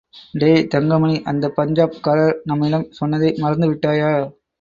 டேய் தங்கமணி, அந்த பஞ்சாப் காரர் நம்மிடம் சொன்னதை மறந்துவிட்டாயா?